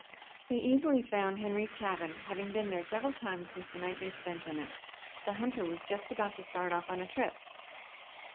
They easily found Henry's cabin, having been there several times since the night they spent in it. The hunter was just about to start off on a trip.